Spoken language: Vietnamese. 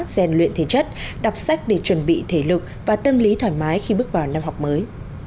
gian luyện thể chất đọc sách để chuẩn bị thể lực và tâm lý thoải mái khi bước vào năm học mới